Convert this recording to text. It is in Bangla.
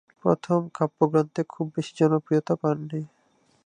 প্রথম কাব্যগ্রন্থে খুব বেশি জনপ্রিয়তা পাননি।